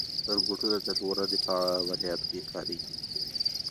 روبوټونه د ژغورنې په عملیاتو کې کارېږي.